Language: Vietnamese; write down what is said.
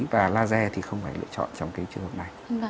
và laser thì không phải lựa chọn trong cái trường hợp này